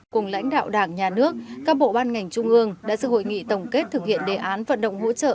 cùng lãnh đạo đảng nhà nước các bộ ban ngành trung ương đã sự hội nghị tổng kết thực hiện đề án vận động hỗ trợ